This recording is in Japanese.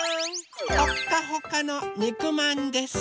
ほっかほかのにくまんです！